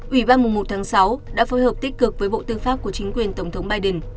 ủy ban một tháng sáu đã phối hợp tích cực với bộ tư pháp của chính quyền tổng thống biden